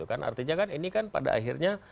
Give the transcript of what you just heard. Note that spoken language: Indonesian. kan artinya kan ini kan pada akhirnya